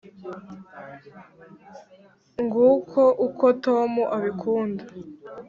nguko uko tom abikunda